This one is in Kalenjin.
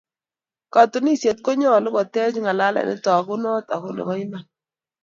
Katunisyet konyolu koteech ng'alalet ne togunot ako nebo iman.